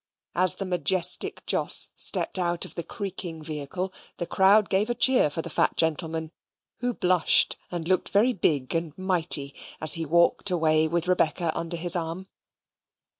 As the majestic Jos stepped out of the creaking vehicle the crowd gave a cheer for the fat gentleman, who blushed and looked very big and mighty, as he walked away with Rebecca under his arm.